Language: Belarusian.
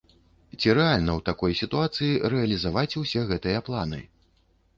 Ці рэальна ў такой сітуацыі рэалізаваць усе гэтыя планы?